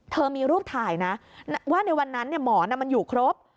มีรูปถ่ายนะว่าในวันนั้นหมอนมันอยู่ครบ